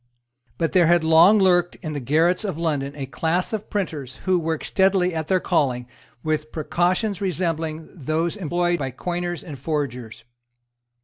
But there had long lurked in the garrets of London a class of printers who worked steadily at their calling with precautions resembling those employed by coiners and forgers.